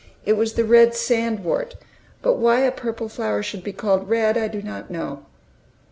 It was the red sand wort; but why a purple flower should be called red, I do not know.